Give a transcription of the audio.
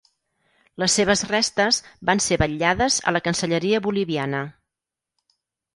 Les seves restes van ser vetllades a la cancelleria boliviana.